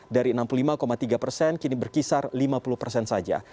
dari enam puluh lima tiga persen kini berkisar lima puluh persen saja